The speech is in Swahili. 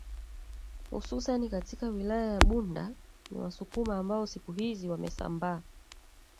hususani katika wilaya ya Bunda ni Wasukuma ambao siku hizi wamesambaa